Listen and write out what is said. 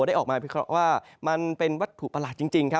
ได้ออกมาพิเคราะห์ว่ามันเป็นวัตถุประหลาดจริงครับ